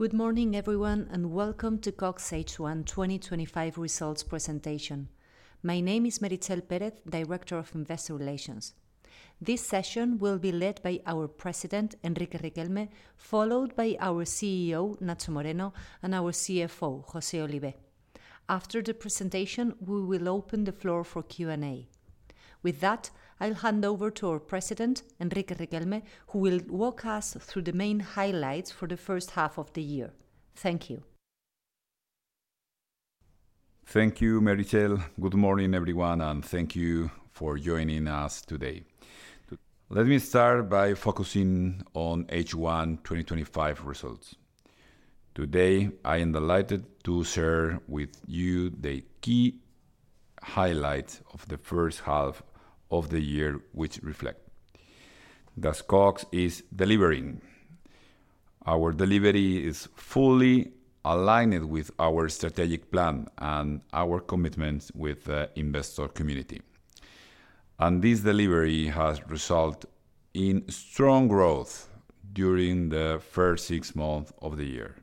Good morning, everyone, and welcome to Cox H1 2025 results presentation. My name is Meritxell Pérez, Director of Investor Relations. This session will be led by our President, Enrique Riquelme, followed by our CEO, Nacho Moreno, and our CFO, José Olivé. After the presentation, we will open the floor for Q&A. With that, I'll hand over to our President, Enrique Riquelme, who will walk us through the main highlights for the first half of the year. Thank you. Thank you, Meritxell. Good morning, everyone, and thank you for joining us today. Let me start by focusing on H1 2025 results. Today, I am delighted to share with you the key highlights of the first half of the year, which reflect that Cox is delivering. Our delivery is fully aligned with our strategic plan and our commitments with the investor community. This delivery has resulted in strong growth during the first six months of the year.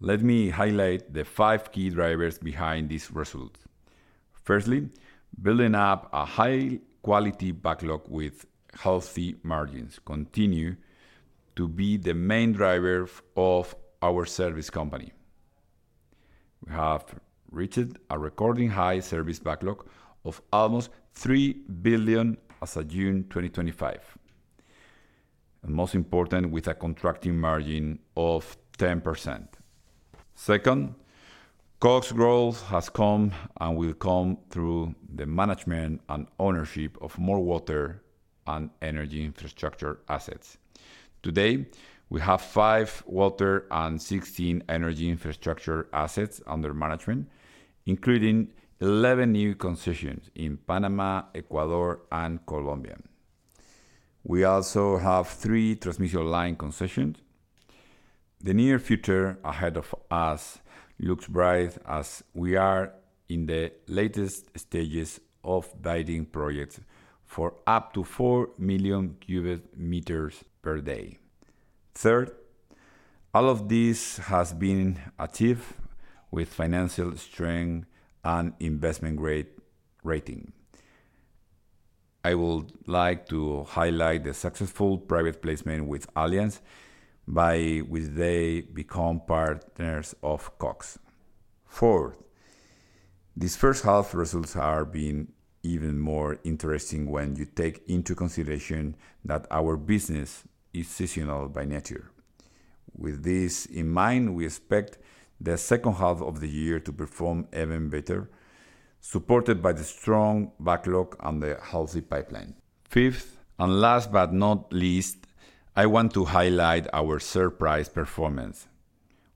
Let me highlight the five key drivers behind these results. Firstly, building up a high-quality backlog with healthy margins continues to be the main driver of our service company. We have reached a record high service backlog of almost 3 billion as of June 2025, and most important, with a contracting margin of 10%. Second, Cox's growth has come and will come through the management and ownership of more water and energy infrastructure assets. Today, we have five water and 16 energy infrastructure assets under management, including 11 new concessions in Panama, Ecuador, and Colombia. We also have three transmission line concessions. The near future ahead of us looks bright as we are in the latest stages of developing projects for up to 4 million cu m per day. Third, all of this has been achieved with financial strength and investment-grade rating. I would like to highlight the successful private placement with Allianz, by which they become partners of Cox. Fourth, this first half's results have been even more interesting when you take into consideration that our business is seasonal by nature. With this in mind, we expect the second half of the year to perform even better, supported by the strong backlog and the healthy pipeline. Fifth, and last but not least, I want to highlight our share price performance.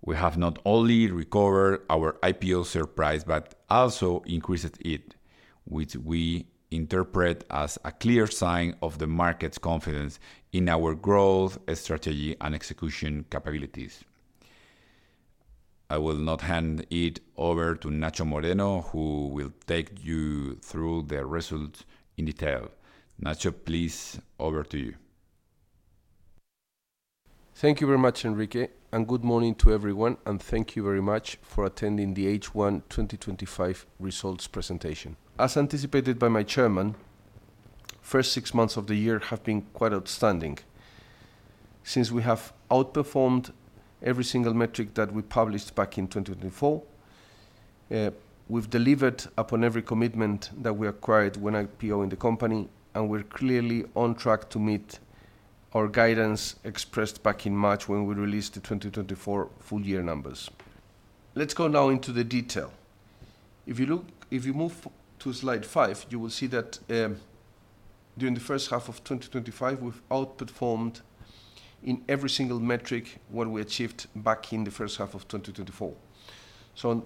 We have not only recovered our IPO share price but also increased it, which we interpret as a clear sign of the market's confidence in our growth strategy and execution capabilities. I will now hand it over to Nacho Moreno, who will take you through the results in detail. Nacho, please, over to you. Thank you very much, Enrique, and good morning to everyone, and thank you very much for attending the H1 2025 results presentation. As anticipated by my Chairman, the first six months of the year have been quite outstanding. Since we have outperformed every single metric that we published back in 2024, we've delivered upon every commitment that we acquired when IPO-ed the company, and we're clearly on track to meet our guidance expressed back in March when we released the 2024 full-year numbers. Let's go now into the detail. If you look, if you move to slide five, you will see that during the first half of 2025, we've outperformed in every single metric what we achieved back in the first half of 2024.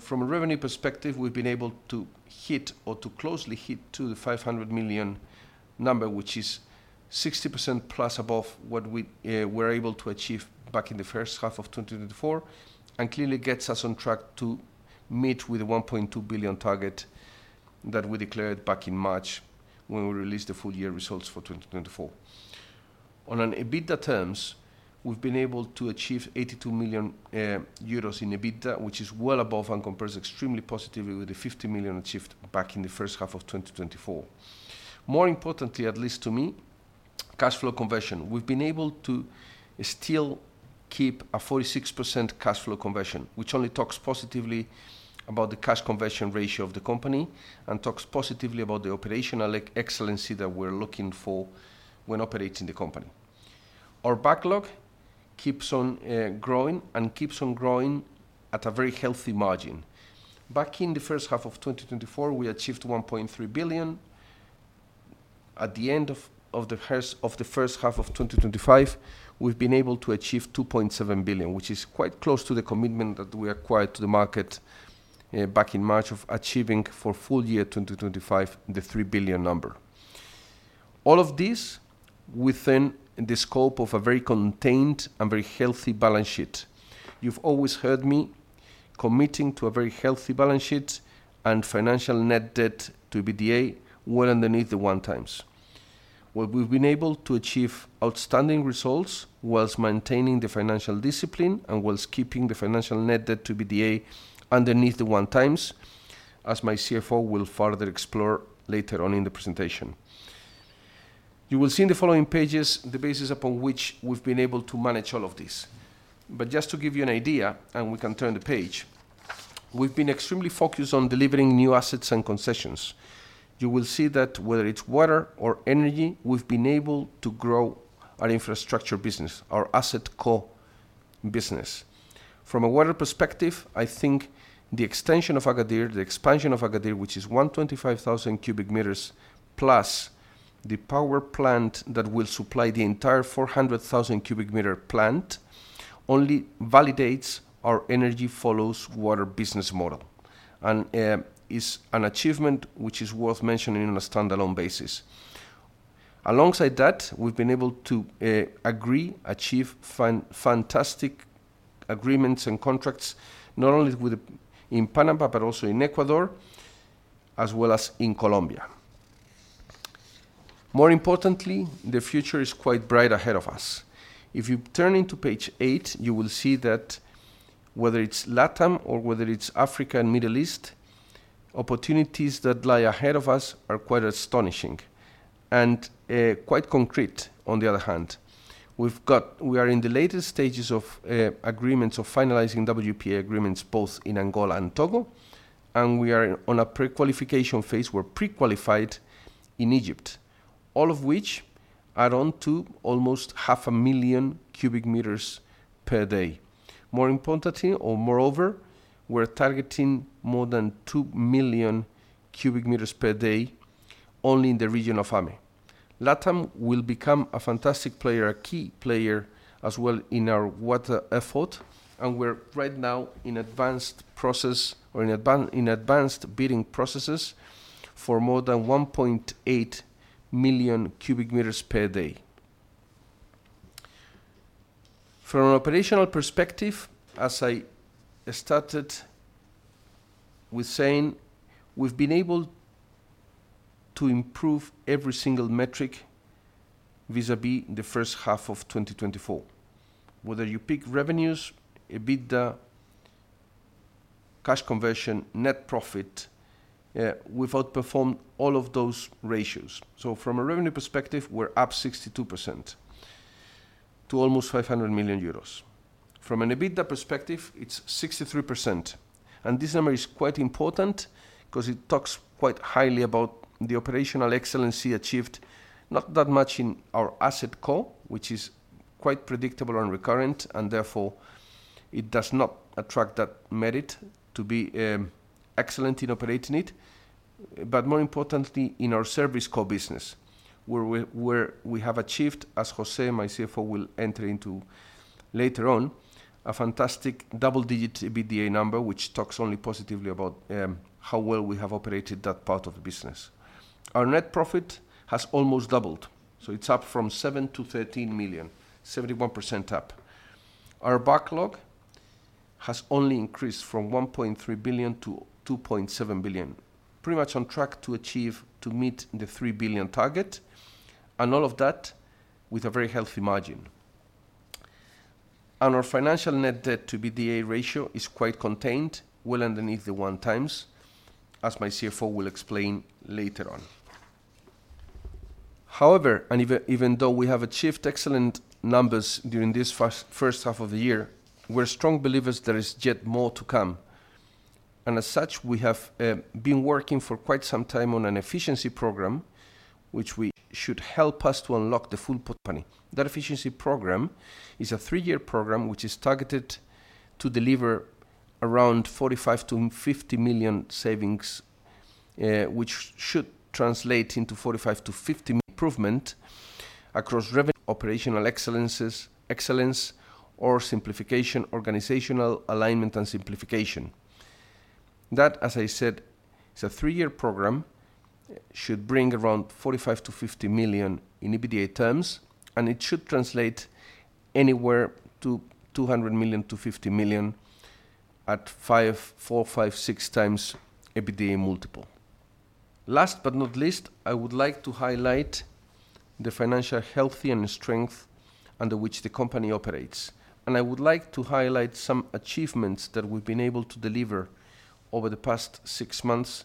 From a revenue perspective, we've been able to hit or to closely hit the 500 million number, which is 60%+ above what we were able to achieve back in the first half of 2024, and clearly gets us on track to meet the 1.2 billion target that we declared back in March when we released the full-year results for 2024. On EBITDA terms, we've been able to achieve 82 million euros in EBITDA, which is well above and compares extremely positively with the 50 million achieved back in the first half of 2024. More importantly, at least to me, cash flow conversion. We've been able to still keep a 46% cash flow conversion, which only talks positively about the cash conversion ratio of the company and talks positively about the operational excellency that we're looking for when operating the company. Our backlog keeps on growing and keeps on growing at a very healthy margin. Back in the first half of 2024, we achieved 1.3 billion. At the end of the first half of 2025, we've been able to achieve 2.7 billion, which is quite close to the commitment that we acquired to the market back in March of achieving for full-year 2025 the 3 billion number. All of this within the scope of a very contained and very healthy balance sheet. You've always heard me committing to a very healthy balance sheet and financial net debt to EBITDA well underneath the 1x. What we've been able to achieve outstanding results was maintaining the financial discipline and was keeping the financial net debt to EBITDA underneath the 1x, as my CFO will further explore later on in the presentation. You will see in the following pages the basis upon which we've been able to manage all of this. Just to give you an idea, and we can turn the page, we've been extremely focused on delivering new assets and concessions. You will see that whether it's water or energy, we've been able to grow our infrastructure business, our asset core business. From a water perspective, I think the extension of Agadir, the expansion of Agadir, which is 125,000 cu m plus the power plant that will supply the entire 400,000 cu m plant, only validates our energy follows water business model. It's an achievement which is worth mentioning on a standalone basis. Alongside that, we've been able to agree, achieve, find fantastic agreements and contracts, not only in Panama but also in Ecuador, as well as in Colombia. More importantly, the future is quite bright ahead of us. If you turn into page eight, you will see that whether it's Latin or whether it's Africa and the Middle East, opportunities that lie ahead of us are quite astonishing and quite concrete. On the other hand, we are in the latest stages of agreements of finalizing WPA agreements both in Angola and Togo, and we are on a pre-qualification phase. We're pre-qualified in Egypt, all of which add on to almost 500,000 cu m per day. Moreover, we're targeting more than 2 million cu m per day only in the region of Africa and the Middle East. Latin will become a fantastic player, a key player as well in our water effort, and we're right now in advanced process or in advanced bidding processes for more than 1.8 million cu m per day. From an operational perspective, as I started with saying, we've been able to improve every single metric vis-à-vis in the first half of 2024. Whether you pick revenues, EBITDA, cash conversion, net profit, we've outperformed all of those ratios. From a revenue perspective, we're up 62% to almost 500 million euros. From an EBITDA perspective, it's 63%. This number is quite important because it talks quite highly about the operational excellency achieved, not that much in our asset core, which is quite predictable and recurrent, and therefore, it does not attract that merit to be excellent in operating it, but more importantly, in our service core business, where we have achieved, as José, my CFO, will enter into later on, a fantastic double-digit EBITDA number, which talks only positively about how well we have operated that part of the business. Our net profit has almost doubled. It's up from 7 million to 13 million, 71% up. Our backlog has only increased from 1.3 billion to 2.7 billion, pretty much on track to achieve, to meet the 3 billion target, and all of that with a very healthy margin. Our financial net debt to EBITDA ratio is quite contained, well underneath the 1x, as my CFO will explain later on. However, even though we have achieved excellent numbers during this first half of the year, we're strong believers there is yet more to come. As such, we have been working for quite some time on an efficiency program, which should help us to unlock the full portfolio. That efficiency program is a three-year program which is targeted to deliver around 45 million-50 million savings, which should translate into 45 million-50 million improvements across revenue, operational excellence, organizational alignment, and simplification. That, as I said, is a three-year program, should bring around 45 million-50 million in EBITDA terms, and it should translate anywhere to 200 million- 250 million at 4x, 5x, 6x EBITDA multiple. Last but not least, I would like to highlight the financial health and strength under which the company operates. I would like to highlight some achievements that we've been able to deliver over the past six months,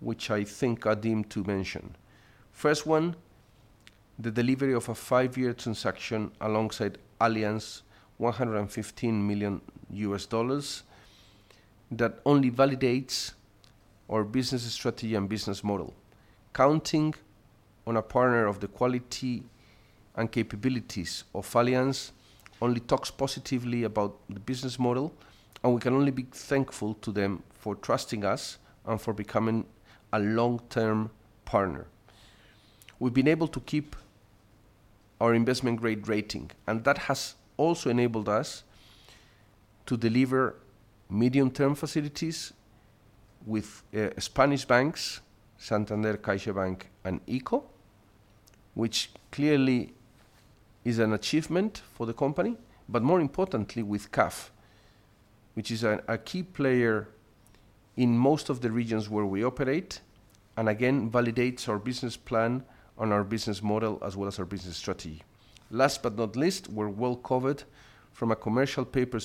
which I think are deemed to mention. First one, the delivery of a five-year transaction alongside Allianz, EUR 115 million, that only validates our business strategy and business model. Counting on a partner of the quality and capabilities of Allianz only talks positively about the business model, and we can only be thankful to them for trusting us and for becoming a long-term partner. We've been able to keep our investment-grade rating, and that has also enabled us to deliver medium-term facilities with Spanish banks, Santander, CaixaBank, and ICO, which clearly is an achievement for the company, but more importantly, with CAF, which is a key player in most of the regions where we operate, and again, validates our business plan and our business model as well as our business strategy. Last but not least, we're well covered from a commercial paper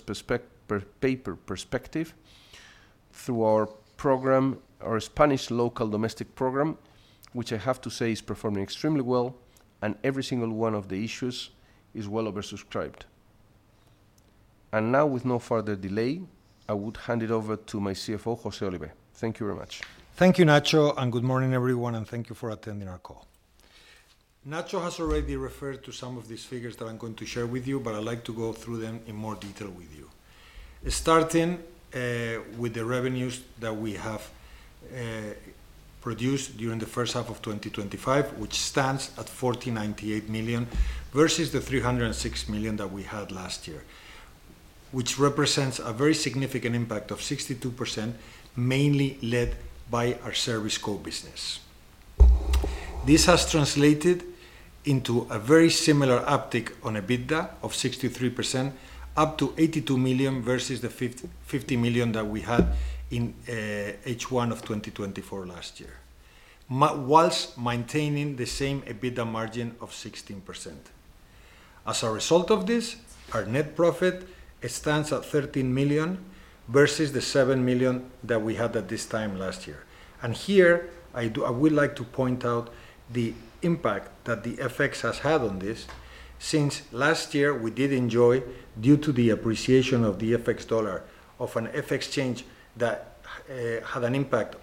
perspective through our program, our Spanish local domestic program, which I have to say is performing extremely well, and every single one of the issues is well oversubscribed. Now, with no further delay, I would hand it over to my CFO, José Olivé. Thank you very much. Thank you, Nacho, and good morning, everyone, and thank you for attending our call. Nacho has already referred to some of these figures that I'm going to share with you, but I'd like to go through them in more detail with you. Starting with the revenues that we have produced during the first half of 2025, which stands at 1,498 million versus the 306 million that we had last year, which represents a very significant impact of 62%, mainly led by our service core business. This has translated into a very similar uptick on EBITDA of 63%, up to 82 million versus the 50 million that we had in H1 of 2024 last year, whilst maintaining the same EBITDA margin of 16%. As a result of this, our net profit stands at 13 million versus the 7 million that we had at this time last year. Here, I would like to point out the impact that the FX has had on this, since last year we did enjoy, due to the appreciation of the FX dollar, an FX change that had an impact,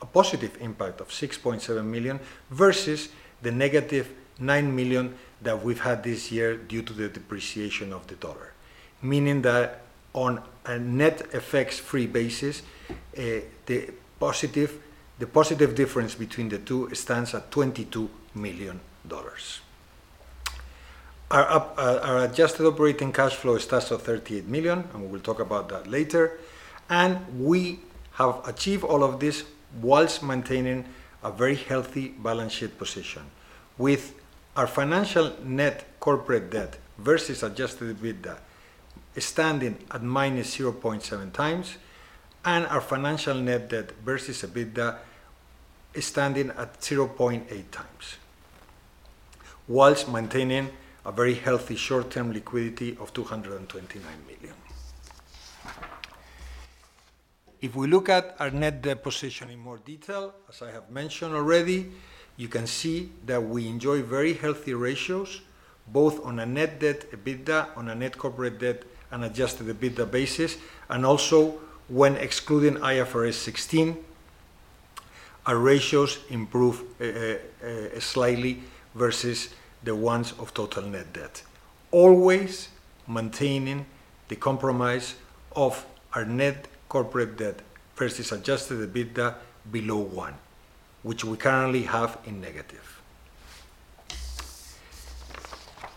a positive impact of 6.7 million versus the -9 million that we've had this year due to the depreciation of the dollar. Meaning that on a net FX-free basis, the positive difference between the two stands at EUR 22 million. Our adjusted operating cash flow is at 38 million, and we'll talk about that later. We have achieved all of this whilst maintaining a very healthy balance sheet position, with our financial net corporate debt versus adjusted EBITDA standing at -0.7x, and our financial net debt versus EBITDA standing at 0.8x, whilst maintaining a very healthy short-term liquidity of 229 million. If we look at our net debt position in more detail, as I have mentioned already, you can see that we enjoy very healthy ratios, both on a net debt EBITDA, on a net corporate debt, and adjusted EBITDA basis, and also when excluding IFRS 16, our ratios improve slightly versus the ones of total net debt. Always maintaining the compromise of our net corporate debt versus adjusted EBITDA below one, which we currently have in negative.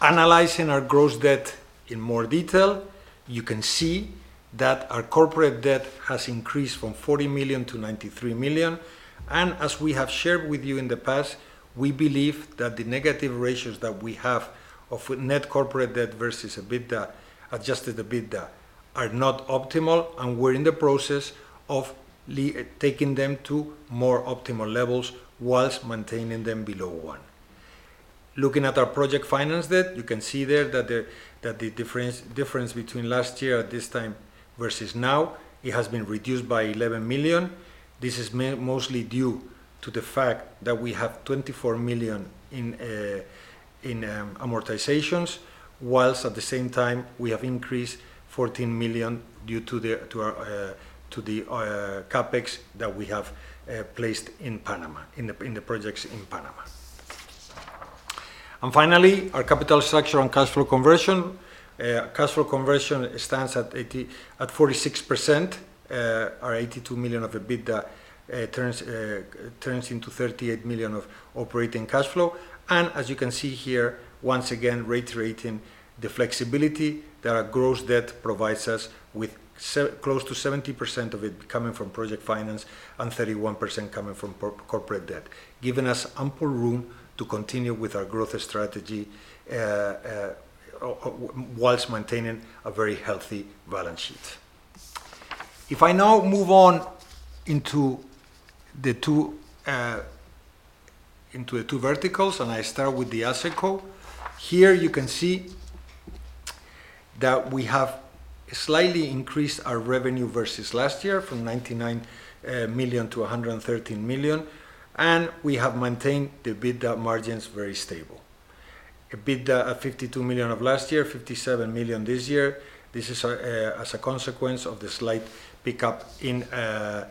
Analyzing our gross debt in more detail, you can see that our corporate debt has increased from 40 million to 93 million. As we have shared with you in the past, we believe that the negative ratios that we have of net corporate debt versus EBITDA, adjusted EBITDA, are not optimal, and we're in the process of taking them to more optimal levels whilst maintaining them below one. Looking at our project finance debt, you can see there that the difference between last year at this time versus now, it has been reduced by 11 million. This is mostly due to the fact that we have 24 million in amortizations, whilst at the same time, we have increased 14 million due to the CapEx that we have placed in Panama, in the projects in Panama. Finally, our capital structure and cash flow conversion. Cash flow conversion stands at 46%. Our 82 million of EBITDA turns into 38 million of operating cash flow. As you can see here, once again, reiterating the flexibility that our gross debt provides us with close to 70% of it coming from project finance and 31% coming from corporate debt, giving us ample room to continue with our growth strategy whilst maintaining a very healthy balance sheet. If I now move on into the two verticals, and I start with the asset core. Here, you can see that we have slightly increased our revenue versus last year from 99 million to 113 million, and we have maintained the EBITDA margins very stable. EBITDA at 52 million of last year, 57 million this year. This is as a consequence of the slight pickup in the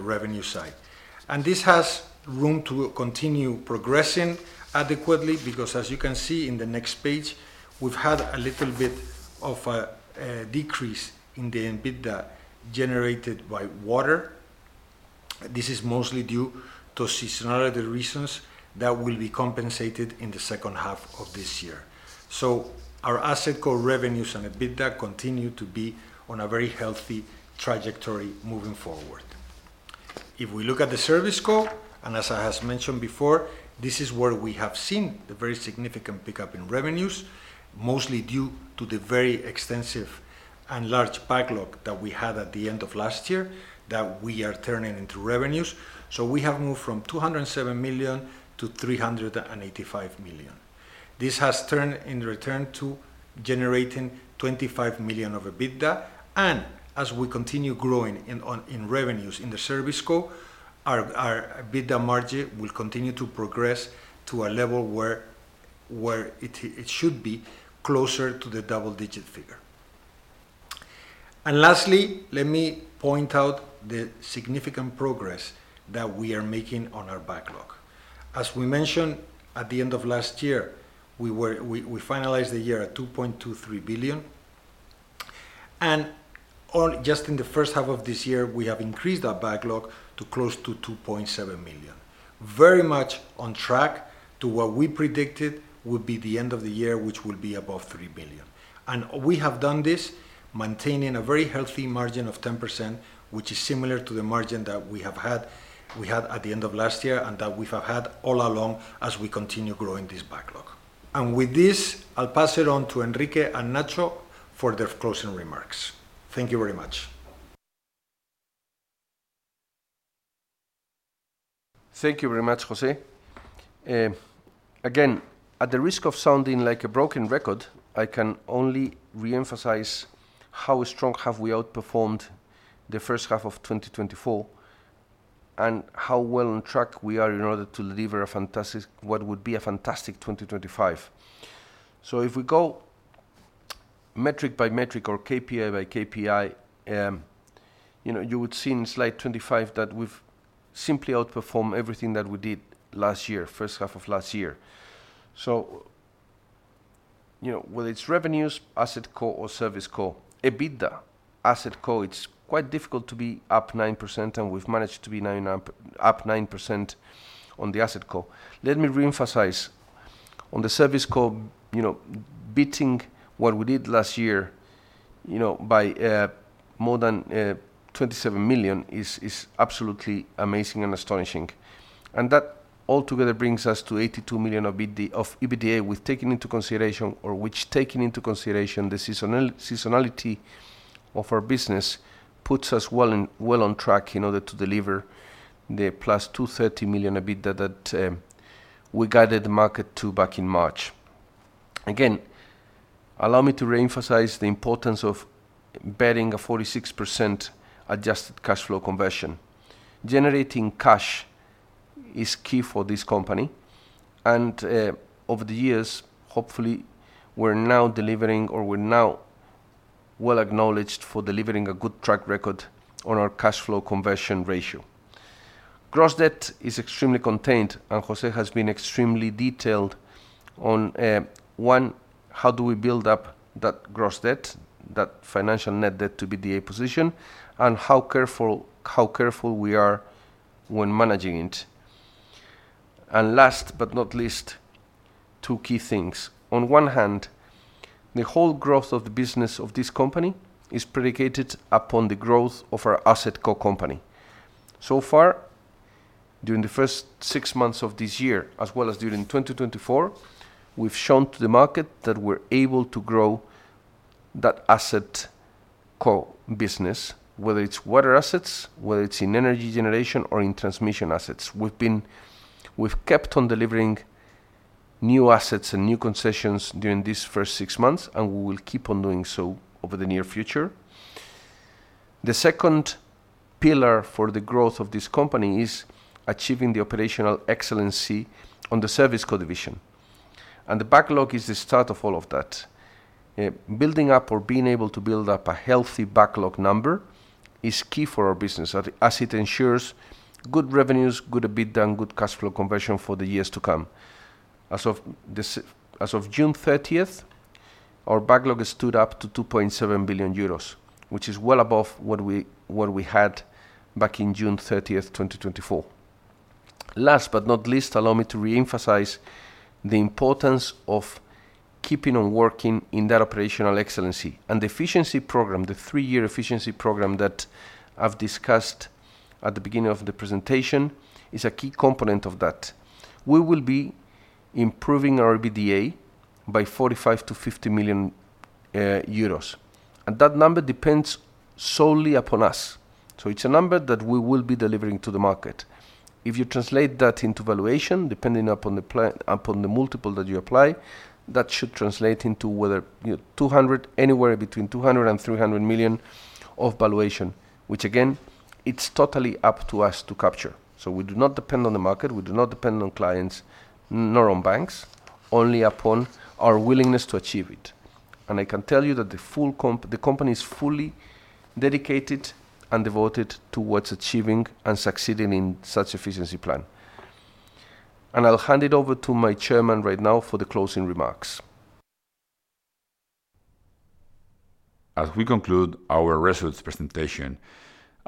revenue side. This has room to continue progressing adequately because, as you can see in the next page, we've had a little bit of a decrease in the EBITDA generated by water. This is mostly due to seasonality reasons that will be compensated in the second half of this year. Our asset core revenues and EBITDA continue to be on a very healthy trajectory moving forward. If we look at the service core, and as I have mentioned before, this is where we have seen the very significant pickup in revenues, mostly due to the very extensive and large backlog that we had at the end of last year that we are turning into revenues. We have moved from 207 million to 385 million. This has turned in return to generating 25 million of EBITDA. As we continue growing in revenues in the service core, our EBITDA margin will continue to progress to a level where it should be, closer to the double-digit figure. Lastly, let me point out the significant progress that we are making on our backlog. As we mentioned, at the end of last year, we finalized the year at 2.23 billion. Just in the first half of this year, we have increased that backlog to close to 2.7 billion, very much on track to what we predicted would be the end of the year, which will be above 3 billion. We have done this maintaining a very healthy margin of 10%, which is similar to the margin that we have had at the end of last year and that we have had all along as we continue growing this backlog. With this, I'll pass it on to Enrique and Nacho for their closing remarks. Thank you very much. Thank you very much, José. At the risk of sounding like a broken record, I can only reemphasize how strong we have outperformed the first half of 2024 and how well on track we are in order to deliver a fantastic, what would be a fantastic 2025. If we go metric by metric or KPI by KPI, you would see in slide 25 that we've simply outperformed everything that we did last year, first half of last year. Whether it's revenues, asset core, or service core, EBITDA asset core, it's quite difficult to be up 9%, and we've managed to be up 9% on the asset core. Let me reemphasize, on the service core, beating what we did last year by more than 27 million is absolutely amazing and astonishing. That altogether brings us to 82 million of EBITDA we've taken into consideration, or which, taking into consideration the seasonality of our business, puts us well on track in order to deliver the +230 million EBITDA that we guided the market to back in March. Allow me to reemphasize the importance of betting a 46% adjusted cash flow conversion. Generating cash is key for this company. Over the years, hopefully, we're now delivering or we're now well acknowledged for delivering a good track record on our cash flow conversion ratio. Gross debt is extremely contained, and José has been extremely detailed on, one, how do we build up that gross debt, that financial net debt to EBITDA position, and how careful we are when managing it. Last but not least, two key things. On one hand, the whole growth of the business of this company is predicated upon the growth of our asset core company. So far, during the first six months of this year, as well as during 2024, we've shown to the market that we're able to grow that asset core business, whether it's water assets, whether it's in energy generation, or in transmission assets. We've kept on delivering new assets and new concessions during these first six months, and we will keep on doing so over the near future. The second pillar for the growth of this company is achieving the operational excellency on the service core division. The backlog is the start of all of that. Building up or being able to build up a healthy backlog number is key for our business, as it ensures good revenues, good EBITDA, and good cash flow conversion for the years to come. As of June 30, our backlog has stood up to 2.7 billion euros, which is well above what we had back on June 30, 2024. Last but not least, allow me to reemphasize the importance of keeping on working in that operational excellency. The efficiency program, the three-year efficiency program that I've discussed at the beginning of the presentation, is a key component of that. We will be improving our EBITDA by 45 million-50 million euros, and that number depends solely upon us. It's a number that we will be delivering to the market. If you translate that into valuation, depending upon the multiple that you apply, that should translate into anywhere between 200 million and 300 million of valuation, which again, it's totally up to us to capture. We do not depend on the market. We do not depend on clients, nor on banks, only upon our willingness to achieve it. I can tell you that the company is fully dedicated and devoted towards achieving and succeeding in such efficiency plan. I'll hand it over to my Chairman right now for the closing remarks. As we conclude our results presentation,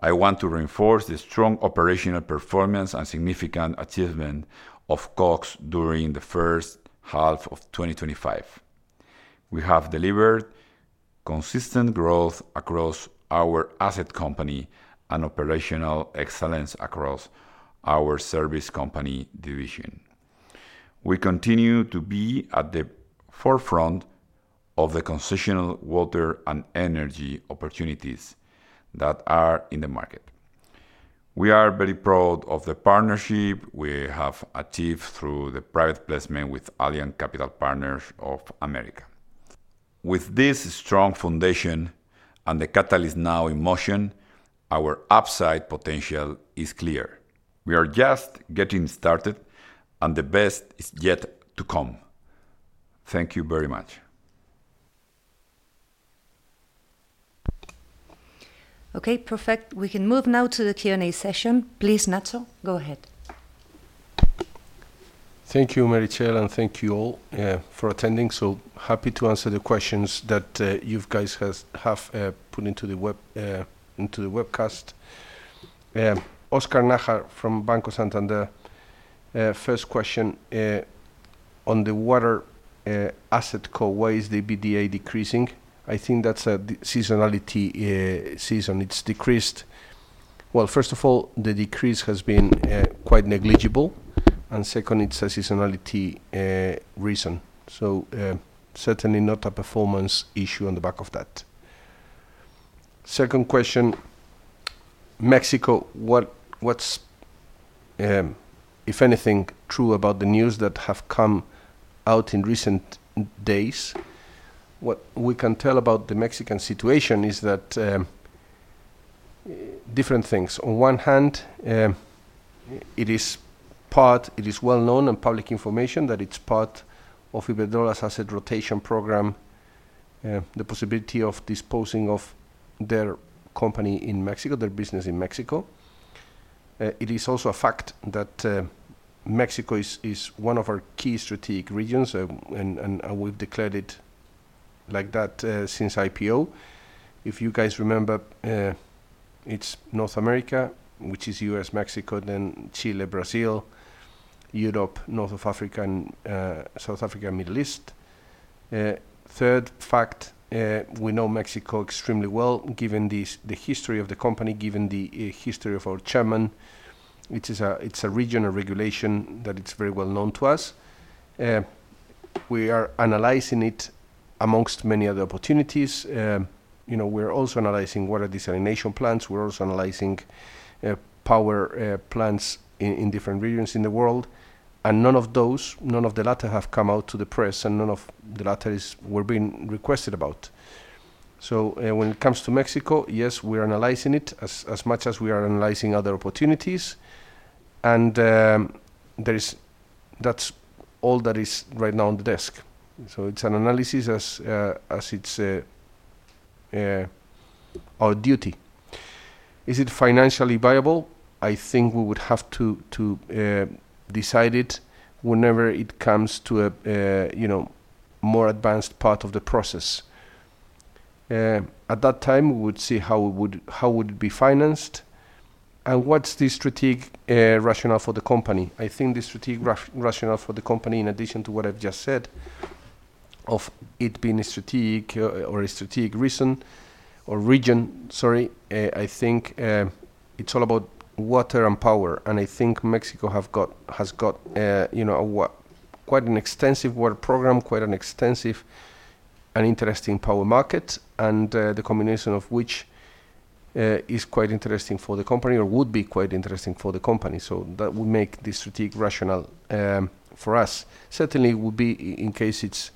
I want to reinforce the strong operational performance and significant achievement of Cox during the first half of 2025. We have delivered consistent growth across our asset company and operational excellence across our service company division. We continue to be at the forefront of the concessional water and energy opportunities that are in the market. We are very proud of the partnership we have achieved through the private placement with Allianz Capital Partners of America. With this strong foundation and the catalyst now in motion, our upside potential is clear. We are just getting started, and the best is yet to come. Thank you very much. Okay, perfect. We can move now to the Q&A session. Please, Nacho, go ahead. Thank you, Meritxell, and thank you all for attending. Happy to answer the questions that you guys have put into the webcast. Oscar Najar from Banco Santander, first question. On the water asset core, why is the EBITDA decreasing? I think that's a seasonality reason. It's decreased. First of all, the decrease has been quite negligible. Second, it's a seasonality reason. Certainly not a performance issue on the back of that. Second question, Mexico, what's, if anything, true about the news that has come out in recent days? What we can tell about the Mexican situation is that different things. On one hand, it is part, it is well known in public information that it's part of Iberdrola's asset rotation program, the possibility of disposing of their company in Mexico, their business in Mexico. It is also a fact that Mexico is one of our key strategic regions, and we've declared it like that since IPO. If you guys remember, it's North America, which is U.S., Mexico, then Chile, Brazil, Europe, North of Africa, and South Africa, and Middle East. Third fact, we know Mexico extremely well, given the history of the company, given the history of our Chairman. It's a regional regulation that is very well known to us. We are analyzing it amongst many other opportunities. We're also analyzing water desalination plants. We're also analyzing power plants in different regions in the world. None of those, none of the latter have come out to the press, and none of the latter were being requested about. When it comes to Mexico, yes, we're analyzing it as much as we are analyzing other opportunities. That's all that is right now on the desk. It's an analysis as it's our duty. Is it financially viable? I think we would have to decide it whenever it comes to a more advanced part of the process. At that time, we would see how it would be financed. What's the strategic rationale for the company? I think the strategic rationale for the company, in addition to what I've just said, of it being a strategic or a strategic reason or region, sorry, I think it's all about water and power. I think Mexico has got quite an extensive water program, quite an extensive and interesting power market, and the combination of which is quite interesting for the company or would be quite interesting for the company. That would make the strategic rationale for us. Certainly, it would be in case it's,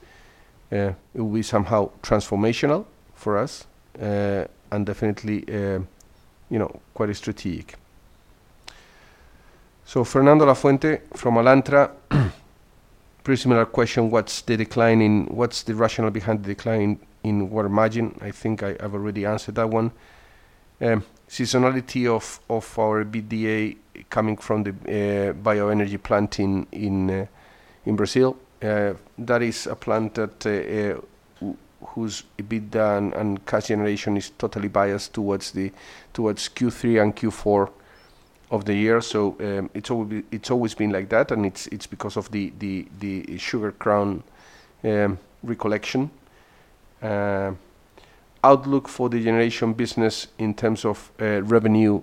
it would be somehow transformational for us, and definitely, you know, quite strategic. So Fernando Lafuente from Alantra, pretty similar question. What's the rationale behind the decline in water margin? I think I have already answered that one. Seasonality of our EBITDA coming from the bioenergy plant in Brazil. That is a plant whose EBITDA and cash generation is totally biased towards Q3 and Q4 of the year. It's always been like that, and it's because of the sugar cane recollection. Outlook for the generation business in terms of revenue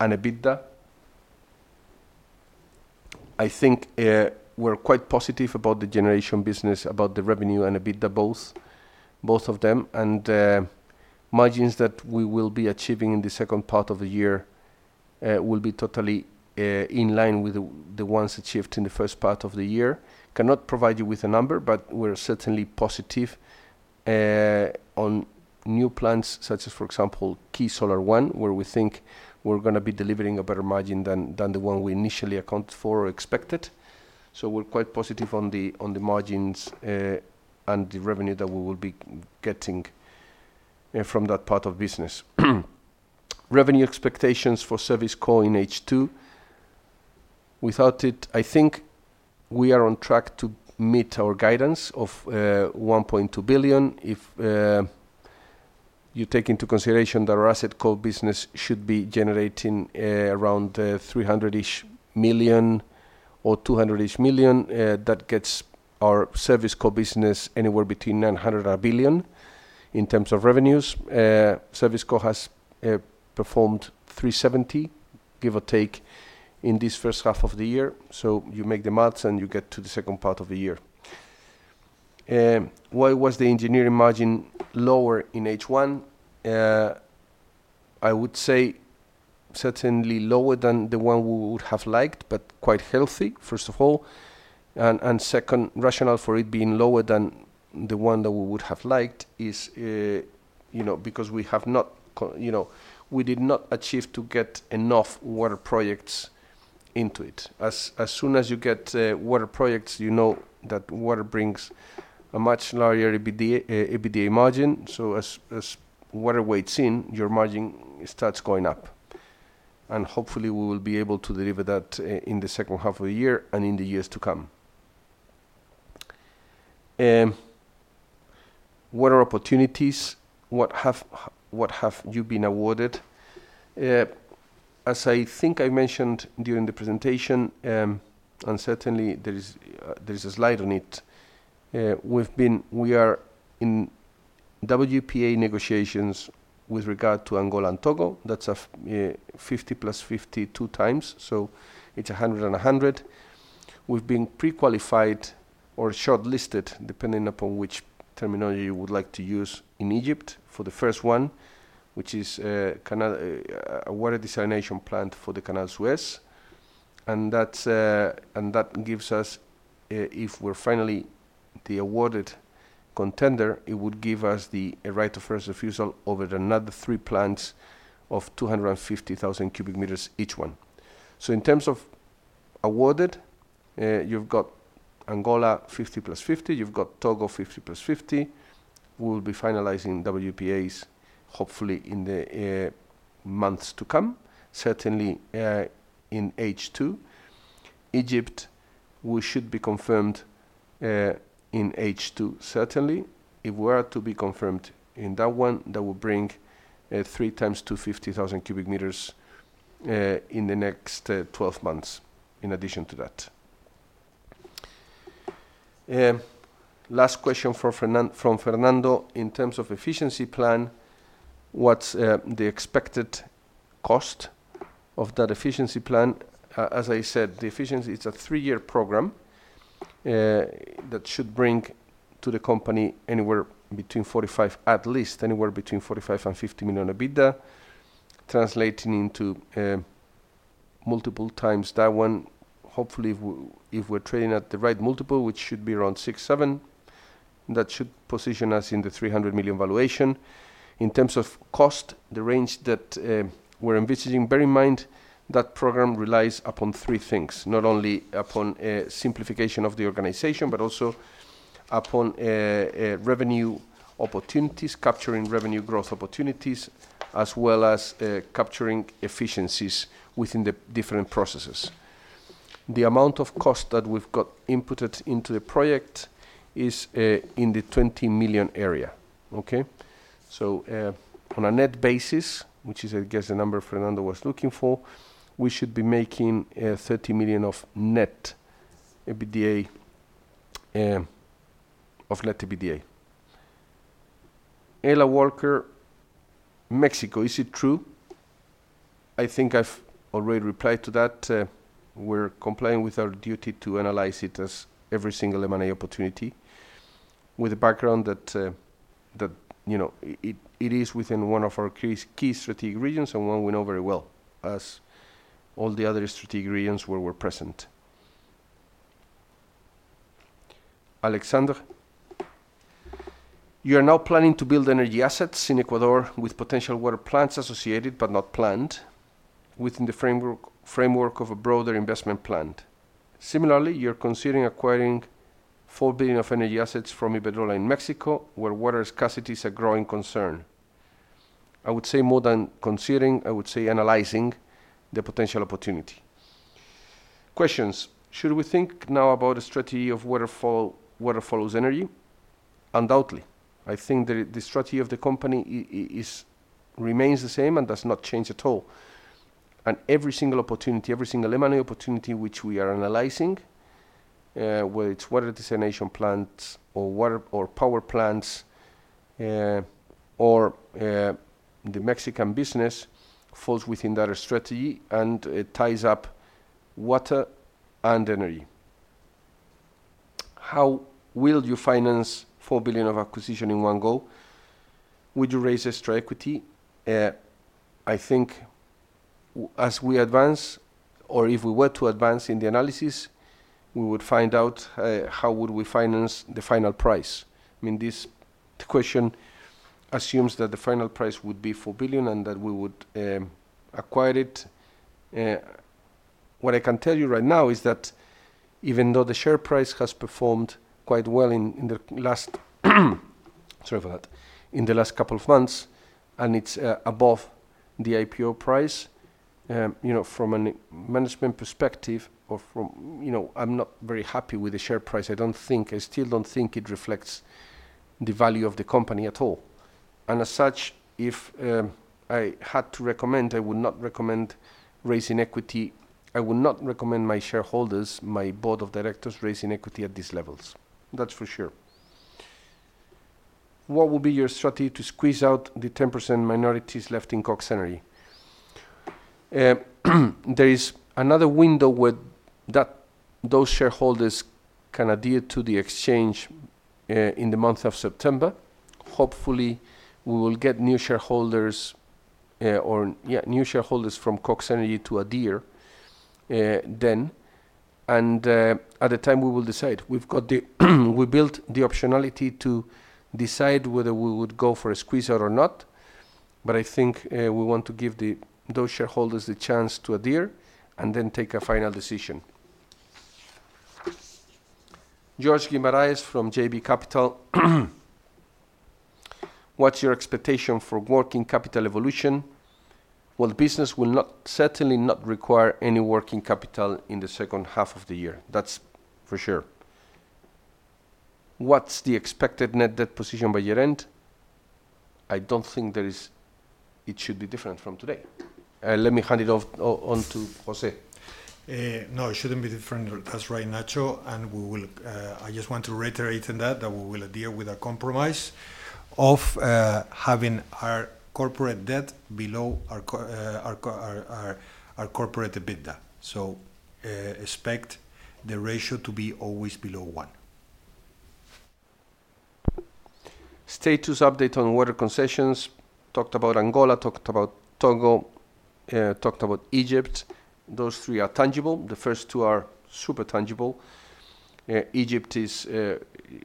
and EBITDA, I think we're quite positive about the generation business, about the revenue and EBITDA, both of them. The margins that we will be achieving in the second part of the year will be totally in line with the ones achieved in the first part of the year. Cannot provide you with a number, but we're certainly positive on new plans, such as, for example, Khi Solar One, where we think we're going to be delivering a better margin than the one we initially accounted for or expected. We're quite positive on the margins and the revenue that we will be getting from that part of the business. Revenue expectations for service core in H2. Without it, I think we are on track to meet our guidance of 1.2 billion. If you take into consideration that our asset core business should be generating around 300 million or 200 million, that gets our service core business anywhere between 900 million and 1 billion in terms of revenues. Service core has performed 370 million, give or take, in this first half of the year. You make the math and you get to the second part of the year. Why was the engineering margin lower in H1? I would say certainly lower than the one we would have liked, but quite healthy, first of all. Second, rationale for it being lower than the one that we would have liked is because we have not, you know, we did not achieve to get enough water projects into it. As soon as you get water projects, you know that water brings a much larger EBITDA margin. As water weights in, your margin starts going up. Hopefully, we will be able to deliver that in the second half of the year and in the years to come. Water opportunities. What have you been awarded? As I think I mentioned during the presentation, and certainly there is a slide on it, we are in WPA negotiations with regard to Angola and Togo. That's a 50+50, 2x. It's 100 and 100. We've been pre-qualified or shortlisted, depending upon which terminology you would like to use, in Egypt for the first one, which is a water desalination plant for the Suez Canal. That gives us, if we're finally the awarded contender, the right of first refusal over another three plants of 250,000 cu m each. In terms of awarded, you've got Angola 50+50. You've got Togo 50+50. We'll be finalizing WPAs, hopefully, in the months to come, certainly in H2. Egypt, we should be confirmed in H2, certainly. If we are to be confirmed in that one, that will bring 3x 250,000 cu m in the next 12 months, in addition to that. Last question from Fernando. In terms of efficiency plan, what's the expected cost of that efficiency plan? As I said, the efficiency is a three-year program that should bring to the company anywhere between 45 million, at least anywhere between 45 million and 50 million EBITDA, translating into multiple times that. Hopefully, if we're trading at the right multiple, which should be around 6x, 7x, that should position us in the 300 million valuation. In terms of cost, the range that we're envisaging, bear in mind that program relies upon three things, not only upon a simplification of the organization, but also upon revenue opportunities, capturing revenue growth opportunities, as well as capturing efficiencies within the different processes. The amount of cost that we've got inputted into the project is in the 20 million area. On a net basis, which is, I guess, the number Fernando was looking for, we should be making 30 million of net EBITDA. Ella Walker, Mexico. Is it true? I think I've already replied to that. We're complying with our duty to analyze it as every single M&A opportunity with the background that it is within one of our key strategic regions and one we know very well, as all the other strategic regions where we're present. Alexander, you are now planning to build energy assets in Ecuador with potential water plants associated, but not planned, within the framework of a broader investment plan. Similarly, you're considering acquiring 4 billion of energy assets from Iberdrola in Mexico, where water scarcity is a growing concern. I would say more than considering, I would say analyzing the potential opportunity. Questions. Should we think now about a strategy of waterfall, waterfall energy? Undoubtedly. I think the strategy of the company remains the same and does not change at all. Every single opportunity, every single M&A opportunity which we are analyzing, whether it's water desalination plants or power plants, or the Mexican business, falls within that strategy and ties up water and energy. How will you finance 4 billion of acquisition in one go? Would you raise extra equity? I think as we advance, or if we were to advance in the analysis, we would find out how we would finance the final price. This question assumes that the final price would be 4 billion and that we would acquire it. What I can tell you right now is that even though the share price has performed quite well in the last, sorry for that, in the last couple of months, and it's above the IPO price, from a management perspective or from, you know, I'm not very happy with the share price. I don't think, I still don't think it reflects the value of the company at all. As such, if I had to recommend, I would not recommend raising equity. I would not recommend my shareholders, my Board of Directors, raising equity at these levels. That's for sure. What will be your strategy to squeeze out the 10% minorities left in Cox Energy? There is another window where those shareholders can adhere to the exchange in the month of September. Hopefully, we will get new shareholders or, yeah, new shareholders from Cox Energy to adhere then. At the time, we will decide. We built the optionality to decide whether we would go for a squeeze out or not. I think we want to give those shareholders the chance to adhere and then take a final decision. Jorge Guimarães from JB Capital. What's your expectation for working capital evolution? Business will certainly not require any working capital in the second half of the year. That's for sure. What's the expected net debt position by year end? I don't think it should be different from today. Let me hand it off to José. No, it shouldn't be different. That's right, Nacho. I just want to reiterate in that that we will adhere with a compromise of having our corporate debt below our corporate EBITDA. Expect the ratio to be always below one. Status update on water concessions. Talked about Angola, talked about Togo, talked about Egypt. Those three are tangible. The first two are super tangible. Egypt is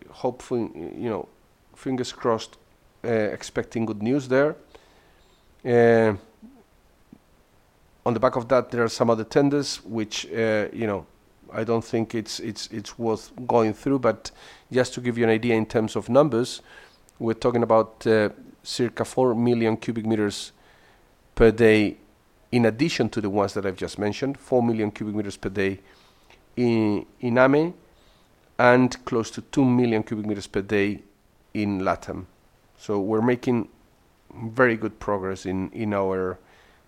hopefully, fingers crossed, expecting good news there. On the back of that, there are some other tenders, which, you know, I don't think it's worth going through. Just to give you an idea in terms of numbers, we're talking about circa 4 million cu m per day, in addition to the ones that I've just mentioned, 4 million cu m per day in Africa and close to 2 million cu m per day in Latin. We're making very good progress in our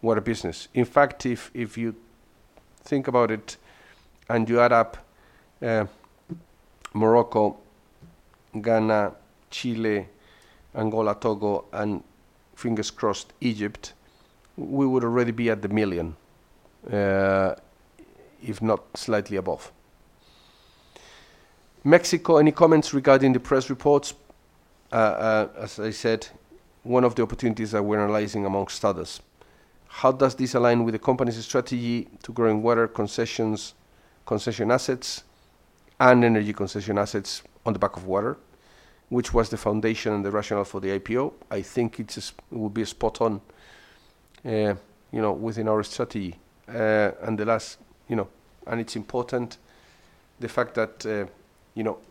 water business. In fact, if you think about it and you add up Morocco, Ghana, Chile, Angola, Togo, and, fingers crossed, Egypt, we would already be at the million, if not slightly above. Mexico, any comments regarding the press reports? As I said, one of the opportunities that we're analyzing amongst others. How does this align with the company's strategy to grow in water concessions, concession assets, and energy concession assets on the back of water, which was the foundation and the rationale for the IPO? I think it would be spot on, you know, within our strategy. It's important, the fact that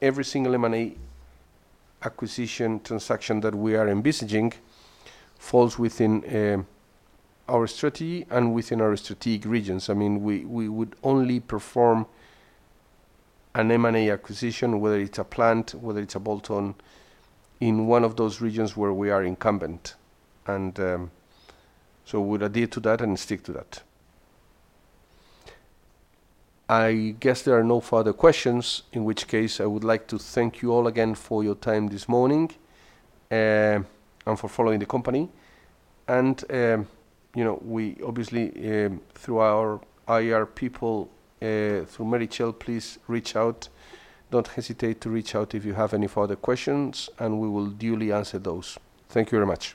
every single M&A acquisition transaction that we are envisaging falls within our strategy and within our strategic regions. We would only perform an M&A acquisition, whether it's a plant, whether it's a bolt-on, in one of those regions where we are incumbent. We would adhere to that and stick to that. I guess there are no further questions, in which case I would like to thank you all again for your time this morning and for following the company. You know, we obviously, through our IR people, through Meritxell, please reach out. Don't hesitate to reach out if you have any further questions, and we will duly answer those. Thank you very much.